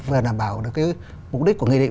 và đảm bảo mục đích của nghị định